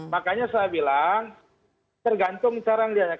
makanya saya bilang tergantung cara yang dia